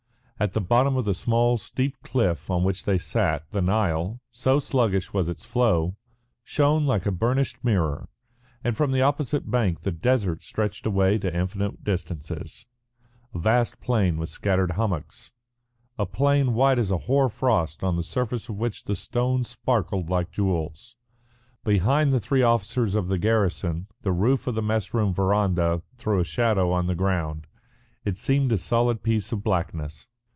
At the bottom of the small steep cliff on which they sat the Nile, so sluggish was its flow, shone like a burnished mirror, and from the opposite bank the desert stretched away to infinite distances, a vast plain with scattered hummocks, a plain white as a hoar frost on the surface of which the stones sparkled like jewels. Behind the three officers of the garrison the roof of the mess room verandah threw a shadow on the ground; it seemed a solid piece of blackness.